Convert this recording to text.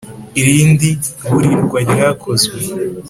Irindi burirwa ryakozwe